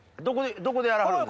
どこでやらはるんですか？